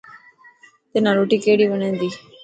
تنان ڪهڙي روٽي وڻي تي.